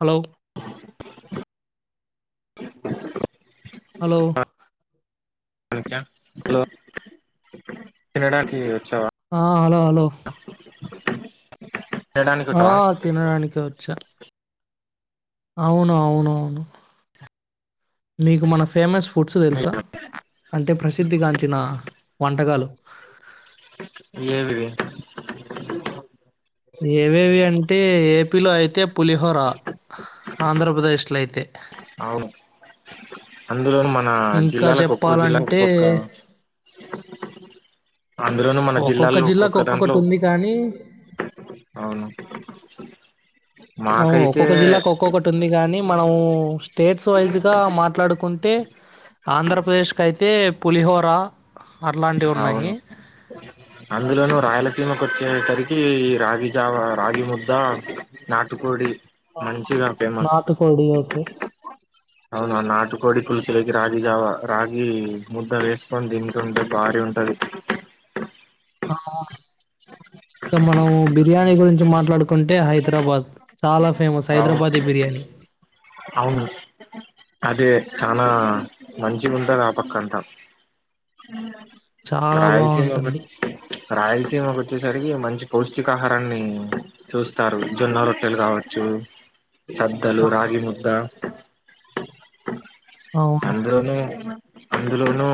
Hello hello hello తినడానికి వచ్చావా ఆ హలో హలో తినడానికి ఆ వచ్చావా తినడానికి వచ్చా అవును అవును మీకు మన ఫేమస్ ఫుడ్స్ తెలుసా అంటే ప్రసిద్ధిగాంచిన వంటకాలు ఏ దిగా ఏవేవి అంటే ఏపీలో అయితే పులిహోర ఆంధ్ర పద ఇష్టట్లైతే అవును అ అందులోను మన ఇంకా జిల్లాలకు ఒక్కొ జిల్లా చెప్పాలంటే ఒక్కొక్క అందులోను మన జిల్లాలో జిల్లాకు ఒక్కొక్క దాంట్లో ఒక్కొక్కటి ఉంది కానీ అవును అవ్ మాకైతే ఒక్కొక్క జిల్లాకి ఒక్కొక్కటి ఉంది కాని మనము స్టేట్స్ వైజ్గా మాట్లాడుకుంటే ఆంధ్రప్రదేశ్ కయితే పులిహోర అట్లాంటివి అవును ఉన్నాయి అందులోనుూ రాయలసీమ కోచ్చేసరికి ఈ రాగి జావ రాగి ముద్ద నాటుకోడి మంచిగా ఫేమస్ నాటు కోడి ఓకే అవును నాటుకోడి పులుసులోకి రాగి జావ రాగి ముద్ద వేసుకొని తింటుంటే భారీ ఉంటది ఆ అవును ఇంకా మనం బిర్యానీ గురించి మాట్లాడుకుంటే హైదరాబాద్ చాలా ఫేమస్ అవును హైదరాబాదీ బిర్యానీ అవును అదే చానా మంచిగుంటారు ఆ పక్క అంత చాలా బాగుంటుంది రాయలసీమకి వచ్చేసరికి మంచి పష్టికాహారాన్ని చూస్తారు జొన్న రొట్టెలు కాబట్టి చ సద్దలు రగి ముద్ద అవును అందులోను అందులోనూ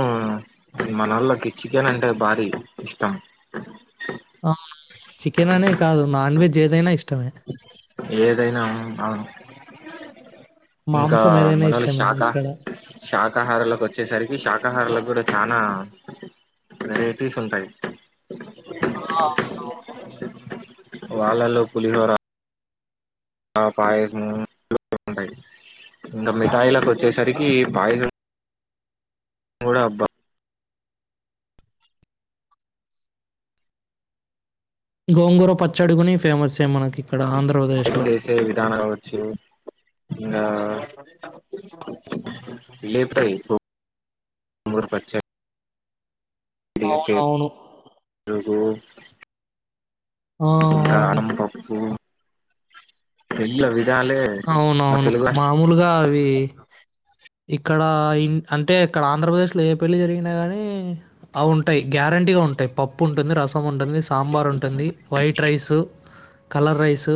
మనోళకి చికెన్ అంటే భారీ ఇష్టం అవును చికెన్ అనే కాదు నాన్ వెెజ్ ఏదైనా ఇష్టం ముమే ఏదైనా అవును ఇంకా మాంసం ఏదైనా మనోళ్ళు ఇష్టమే శాకాహ ఇక్కడ శాకాహారాలలకు వచ్చేసరికి శాకాహారాల కూడా చానా వెరిటీస్ ఉంటాయి ఆ వాళ్ళలో పులిహోర పాయసము ఉంటాయి ఇంకా మిఠాయిలకు వచ్చేసరికి పాయసం మడ అబ్బా గోంగూర పచ్చడి గుని ఫేమస్సే మనకి. ఇక్కడ వంట ఆంధ్రప్రదేశ్లో చేసే విధానం కావచ్చు ఇంగా లేపుతాయి గోంగూర పచ్చ అవునవును మ్మ్ ఆ ఇంకా అనం పప్పు ఎల్లవి అవునవును మామూలుగా అవీ ఇక్కడ ఇం అంటే అక్కడ ఆంధ్రప్రదేశ్ లో ఏ పెళ్లి జరిగినా గానీ అవి ఉంటాయి. గ్యారంటీగా ఉంటాయి పప్పు ఉంటుంది రస ముంటుంది సాంబార్ ఉంటుంది వైట్ రైసు కలర్ రైసు.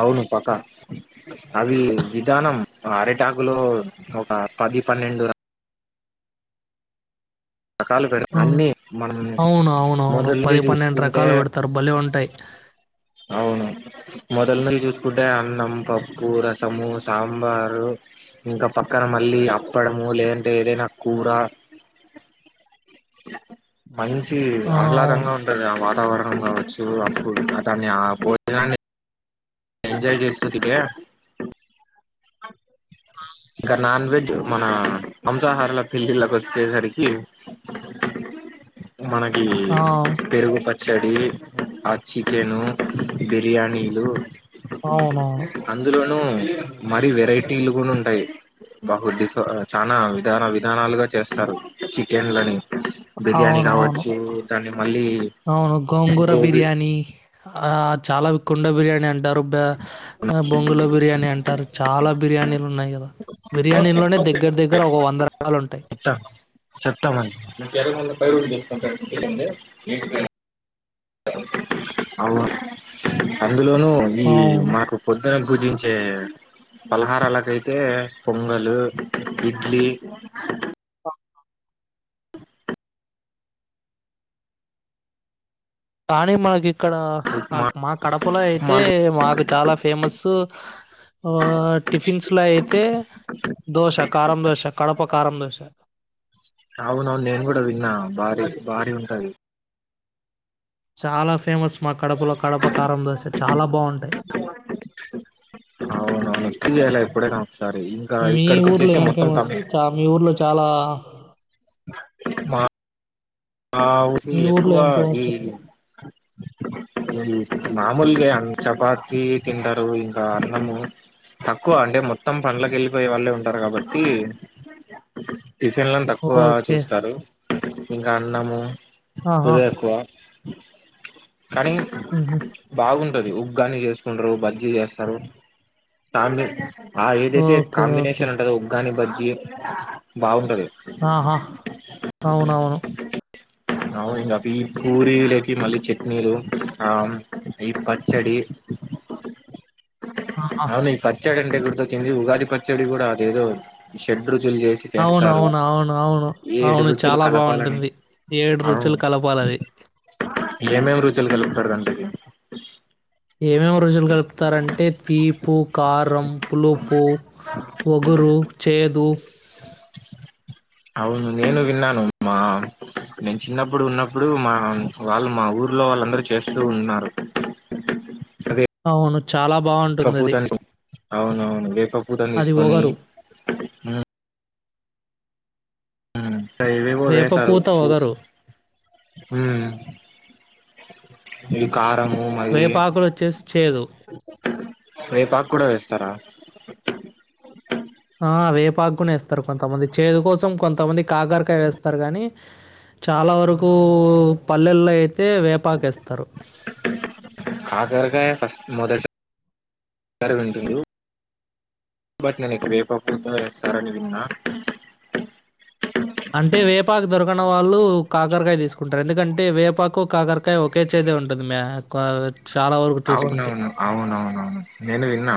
అవును పక్క అవీ విధానం అరిటాకు లో ఒక పది పన్నెండు రకాలు పెడు ఆ! అన్ని మనం అవును. అవునవును. మొదల్ నుంచి చూసుకుంటే రకాలు పెడతారు. భలే ఉంటాయి. అవును మొదలనుంచి చూసుకుంటే అన్నం, పప్పు, రసము, సాంబారు, ఇంకా పక్కన మళ్ళీ అప్పడము లేదంటే ఏదైనా కూర మంచి ఆ! అవును. ఆహ్లాదంగా ఉంటుంది ఆ వా తావరణం కావచ్చు అప్పుడు ఆ దాన్ని ఆ భోజనాన్ని ఎంజాయ్ చేస్తు తింటే ఇంక నాన్ వెజ్ మన మాంసాహారుల పెళ్ళిళ్ళకు వచ్చేసరికి మనకి ఆ! పెరుగు ప చ్చడి ఆ చికెను, బిర్యానీలు అవునవును. అందులోనూ మరి వెరైటీలు కూడ ఉంటాయి. బా డిఫ్ చాన విధాన విధానాలుగా చేస్తరు చికెన్లని బిర్యానీ అవును అవును కావచ్చు దాన్ని మళ్ళీ అవును గోంగూర గోబీ బిర్యానీ ఆ చాల కుండ బిర్యానీ అం టారు బ్బా ఆ బొంగులో బిర్యానీ అంటారు చాల బిర్యానీలు ఉన్నాయి గదా బిర్యానీ లోనే దగ్గర దగ్గర చెప్తా ఓ వంద రకాలు ఉంటాయి చెప్తామండి అ అందులోనూ ఈ అవును. మాకు పొద్దున భుజించే ఫలహారాలకైతే పొంగలు ఇడ్లీ కాణి మగ ఇక్కడ ఉప్మా నాకు మా కడపలో ఉప్మా అయితే మాకు చాలా ఫేమస్ ఆ టిఫిన్స్ లో అయితే దోశ కారం దోశ కడప కారం దోశ అవునవును నేన్ కూడా విన్నా భార భారీ ఉంటది చాలా ఫేమస్ మా కడపలో కడప కారం దోశ చాలా బాగుంటాయి అవునవును అలా ఇప్పుడే నా మీ ఊర్లో ఏం ఫేమస్ చ మీ ఊర్లో చాలా మా ఆ మీ ఊసీల్ ఊర్లో ఎక్కువ ఏం ఫేమస్ ఈ చెప్పు మామూలుగా అన్నం చపాతి తింటారు ఇంకా అన్నము తక్కువ అంటే మొత్తం పనులకు వెళ్ళిపోయే వాళ్ళే ఉంటారు కాబట్టి టిఫిన్లను తక్కువ ఓకే చూస్తారు అన్నము ఇ ఆహా ఎక్కువ కానీ ఉహు బాగుం ఉంటది ఉగ్గాని చేసుకుంటారు బజ్జీ చేస్తారు దానిలోకి ఆ ఏదైతే ఓకే ఓకే కాంబినేషన్ ఉంటందో ఉగ్గాని బజ్జీ బాగుంటది ఆ. హ అవునవును అ ఇంకా అవి పూరీలోకి మళ్ళీ చట్నీలు ఆ ఈ పచ్చడి ఆ అవును ఈ పచ్చడి అంటె గుర్తొచ్చింది ఉగాది పచ్చడి కూడా అదేదో షడ్ అవునవును అవును అవును ఏడు అవును రుచులు చాలా కలపాలని బావుంటుంది ఏడు అవును రుచులు కలపాలవి ఏమెమ్ రుచులు కలుపుతారాంటకి ఏమేమి రుచులు కలుపుతారంటే తీపు కారం పులుపు వగురు చేదు అవును నేను విన్నాను మా నేను చిన్నప్పుడు ఉన్నప్పుడు మా వాళ్ళు మా ఊర్లో వాళ్ళందరూ చేస్తూ ఉన్నారు అదే అవును చాలా వేప బాగుంటుంది అది పూతని అవునవును వేప పూతని అది తీసుకొని ఒగరు మ్ ఏవేవో వేస్తారు వేపపూత చూసి ఒగరు మీ కార్ ము మళ్ళీ వేపాకులు వచ్చేసి చేదు వేపాకూడ వేస్తారు సరా ఆ వేపాకునేస్తరు కొంతమంది చేదు కోసం కొంతమంది కాకరకాయ వేస్తారు కానీ చాలా వరకు పల్లెల్లోయి అయితే వేపాకేస్తరు కాకరగాయ ఫస్ట్ మొదటిసారి వింటుంది బట్ నేను ఎపుడూ వేపాకుప్పుతనే చేస్తారని విన్నా అంటే వేపాకు దొరకన వాళ్ళు కాకరకాయ తీసుకుంటారు ఎందుకంటే వేపాకు కాకరకాయ ఒకే చేదే ఉంటుంది మ అవునవును అవునవును నేను విన్నా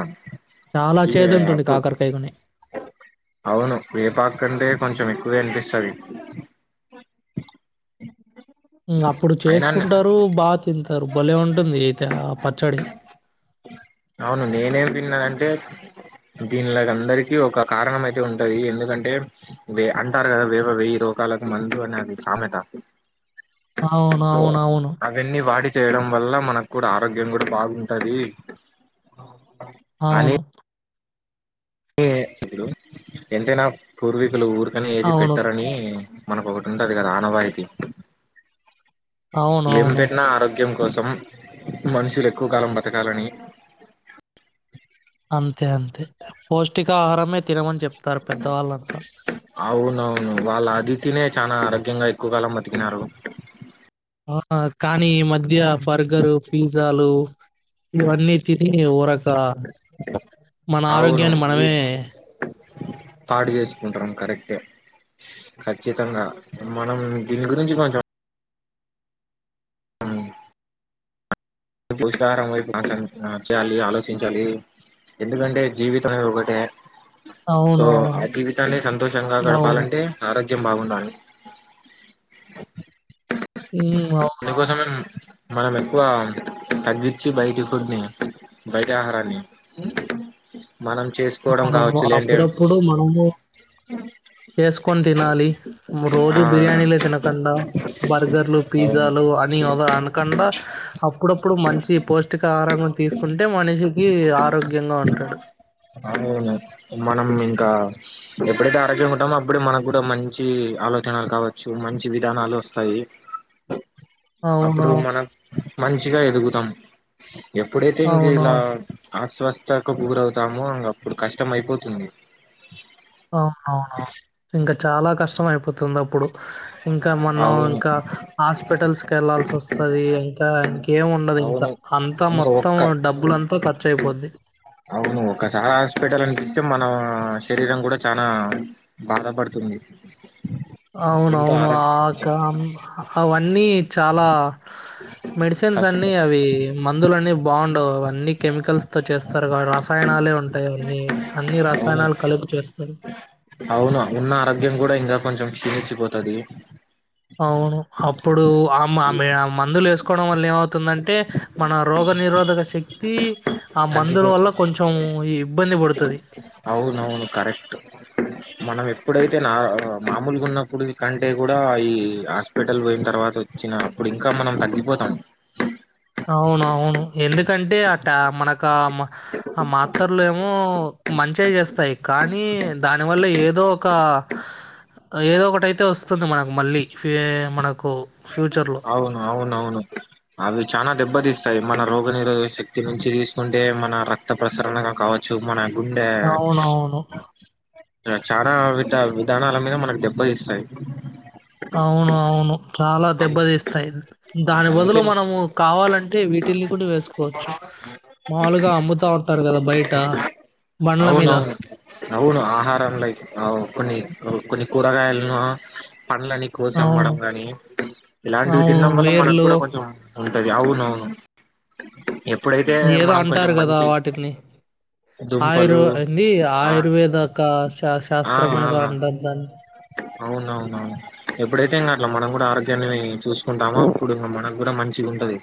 చాలా ఇవే చేదు ఉంటుంది అప్పుడు కాకరకాయ కొని అవును వేపాకు కంటే కొంచెం ఎక్కువ అనిపిస్తుంది టది అప్పుడు చేసుకుంటారు బా తింటారు భలే ఉంటుంది అయితే పచ్చడి అవును నేనేం తిన్నానంటే దీని అందరికీ ఒక కారణం అయితే ఉంటది ఎందుకంటే వే అంటారు కద వేప వెయ్యి రోకాలకు మందు అనే అది సామెత అవును సో అవును అవును అవన్నీ వాడి చేయడం వల్ల మనకు కూడ ఆరోగ్యం కూడ బాగుంటది అవును అవును ఇప్పుడు ఎంతైనా పూర్వీకుల ఊరు పక్కనే ఏది అవును. పెట్టరని మనకొక్కటి ఉంటది కద ఆనవాయితీ ఏం అవునవును. పెట్టినా ఆరోగ్యం కోసం మనుషులు ఎక్కువ కాలం బతకాలని అంతే అంతే పోష్టికాహారమే తినమని చెప్ తర పెద్ద వాళ్ళంతా అవునవును వాళ్ళ అదియ తినే చాలా ఆరోగ్యంగా ఎక్కువ కాలం మ కినారు ఆహ కానీ ఈ మధ్య బర్గరు పిజ్జా జాలు ఇవన్నీ తిని ఊరొక మన అవును ఆరోగ్యాన్ని ఇది మనమే పాడు చేసుకుంటున్నాం కరెక్టే ఖచ్చితంగా మనం దీని గురించి కొంచెం పౌష్టిక ఆహారం చేయాలి ఆలోచించాలి ఎందుకంటే జీవితం ఒకటే సో ఆ అవునవును. జీవితాన్ని సంతోషంగా అవును. గడపాలంటే ఆరోగ్య అవున హ్మ్. అవునవును. అకోసమే మనం ఎక్కువ తగ్గించి బయటి ఫుడ్ని బయటి ఆహారాణి అవునవును అప్పుడప్పుడు మనము చేసుకొని తినాలి రోజు ఆ బిర్యానీలే తినకుండా బర్గర్లు అవును పిజ్జాలు అని అవ అనకుండా అప్పుడప్పుడు మంచి పౌష్టికాహారం గూడా తీసుకుంటే మనిషికి ఆరోగ్యంగా ఉంటాడు మనం ఇంకా ఎప్పుడైతే ఆరోగ్యంగా ఉంటామో అప్పుడే మనకు కూడా మంచి ఆలోచనలు కావచ్చు మంచి విధానాలు వస్తాయి. అప్పుడు అవును. అవును. మనం మంచిగా ఎదుగుతం ఎప్పుడైతే ఇంక ఇలా అవునవును. అస్వస్థకు గురవుతాము ఇంగ అప్పుడు కష్టం అయిపోతుంది. అవునవును ఇంక చాలా కష్టం అయిపోతుంది అప్పుడు ఇంకా మనం అవును ఇంకా హాస్పిటల్స్ కి వెళ్లాల్సి వస్తది ఇంకా ఇంకేం ఉండదు ఇంకా అవును అంతా ఇంకా మొత్తం ఒక్క డబ్బులంతా ఖర్చు అయిపోద్ది తం మన శరీరం కూడా చానా బాధపడుతుంది. ఎంతో అవునవును ఆరో ఆ క అవన్నీ చాలా మెడిసిన్స్ కష్టం అన్నీ అవి మందులన్నీ బావుండవు అవన్నీ కెమికల్స్ తో చేస్తారు కా రసాయనాలే ఉంటాయి అన్నీ అన్ని అవును రసాయనాలు కలిపి చేస్తారు. అవును ఉన్న ఆరోగ్యం కూడా ఇంకా కొంచెం క్షీణించి పోత్. తది అవును అప్పుడు ఆమ ఆమె ఆ మందులు వేసుకోవడం వల్ల ఏమవుతుందంటే మన రోగ నిరోధక శక్తి ఆ మందుల వల్ల తగ్గిపోతుంది కొంచెం ఇబ్బంది పడుతది. అవునవును ఇప్పుడైతే నా మామూలుగ ఉన్నప్పుడు కంటే కూడా ఈ హాస్పిటల్ పోయిన తర్వాత వచ్చిన అప్పుడు ఇంకా మనం తగ్గిపోతాం. అవును అవును ఎందుకంటే అట్టా మనకు ఒక మ ఆ మాత్రలు ఏమో మంచే చేస్తాయి. కానీ దాని వల్ల ఏదో ఏదో ఒక ఏదో ఒకటైతే వస్తుంది మనకు మళ్ళీ ఫి మనకు ఫ్యూచర్‌లో. అవును అవునువును అవి చానా దెబ్బతీస్తాయి మన రోగ నిరోధక శక్తి నుంచి తీసుకుంటే మన రక్త ప్రసరణగా కావచ్చు మన గుండె అవునవును. చానా వి తే విధానాల మీద మనకు దెబ్బతీస్తాయి. అవును అవును చాలా అన్ దెబ్బతీస్తాయి దాని బదులు అందుకే మనము కావాలంటే వీటిల్ని కూడా వేసుకోవచ్చు మాములుగా అమ్ముతా ఉంటారు కదా బయట బండ్ల మీద అవునవును అవును ఆహారం లైక్ కొన్ని కొన్ని కూరగాయలను పళ్ళని కోసి అవును. అమ్మడం గాని ఇలాంటివి అవును. తినడం వల్ల మనకు వేర్లు కూడా కొంచెం ఉంటది అవును అవును. ఏదో అంటారు కదా వాటిల్ని ఆయురూ దుంపలు ఏంది ఆ ఆయుర్వేదకశాస్ శాస్త్రం ఏదో అంటారు దాన్ని అవునవునువును ఎప్పుడైతే ఇంగ అట్లా మనం కూడా ఆరోగ్య దీనిన్ని చూసు కుంటామో అప్పుడింగ మనకు కూడా మంచి ఇది ఉంటది.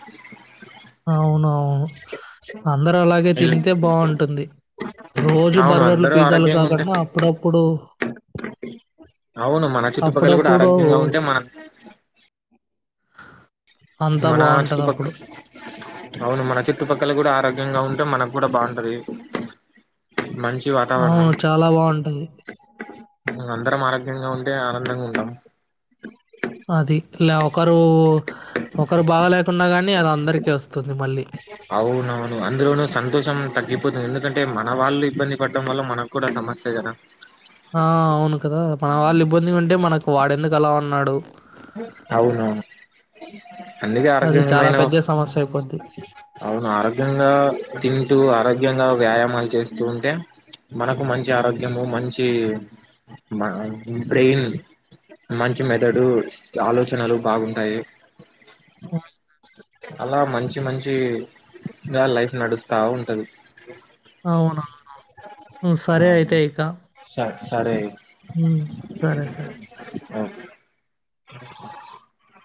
అవును అవును అందర అలాగే తింతే బాంటుంది రోజు అవును బర్గర్లు అందరూ పిజ్జాలు ఆరోగ్యంగా ఉంటే కాకండా అప్పుడప్పుడు అవును మన చుట్టుపక్కల కూడా అప్పుడప్పుడు ఆరోగ్యంగా అంతా మనా చుట్ పక్ బావుంటదప్పుడు. అవును మన చుట్టుపక్కల కూడా ఆరోగ్యంగా ఉంటే మనకు కూడా బాంటది మంచ్ అవును చాలా బాంటది మన అందరం ఆరోగ్యంగా ఉంటే ఆనందంగా ఉంటామ్ అది లేవకా రూ ఒకరు బాగ లేకున్న కానీ అది అందరికి వస్తుంది మ అవునవును అందులోను సంతోషం తగ్గిపోతది ఎందుక ంటే మన వాళ్ళు ఇబ్బంది పడ్డం వల్ల మనక్కూడా సమస్సే కదా ఆ అవును కదా మన వాళ్ళు ఇబ్బంది ఉంటే మనకు వాడెందుకు అలా ఉన్నాడు అ అది చాలా పెద్ద సమస్య అయిపోద్ది అవును ఆరోగ్యంగా తింటూ ఆరోగ్యంగా వ్యాయామ పని చేస్తూ ఉంటే మనకు మంచి ఆరోగ్యము మంచి బ్రెయిన్ మంచి మెదడు ఆలోచనలు బాగుంటాయి పోయిన అలా మంచి మంచి గా లైఫ్ నడుస్తా ఉంటది అవునవును ఆ సరే అయితే ఇక స సరే హ్మ్ సరే సరే ఆ [unintelligible]